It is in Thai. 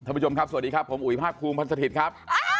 ทหปุจมณีครับสวัสดีครับผมอุ๋ยภาพโควงพันเสถียร์ครับ